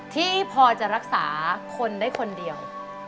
ที่พอจะรักษาคนได้คนเดียว